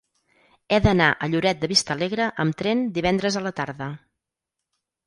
He d'anar a Lloret de Vistalegre amb tren divendres a la tarda.